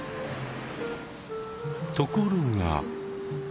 ところが。